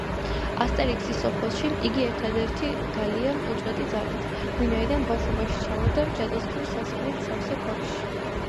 ასტერიქსის სოფელში იგი ერთადერთი გალია უწყვეტი ძალით, ვინაიდან ბავშვობაში ჩავარდა ჯადოსნური სასმელით სავსე ქვაბში.